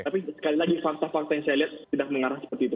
tapi sekali lagi fakta fakta yang saya lihat sudah mengarah seperti itu